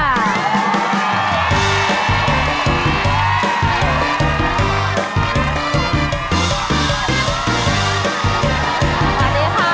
สวัสดีค่ะ